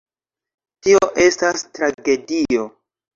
Tio estas tragedio.